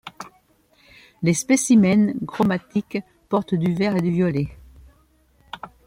Les spécimens chromatiques portent du vert et du violet.